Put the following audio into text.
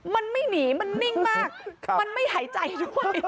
มันไม่หนีมันนิ่งมากมันไม่หายใจด้วย